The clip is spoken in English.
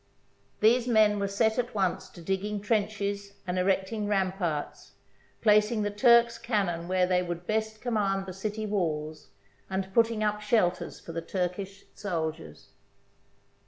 These men were set at once to digging trenches and erecting ramparts, placing the Turks' cannon where they would best command the city walls, and putting up shelters for the Turkish sol diers.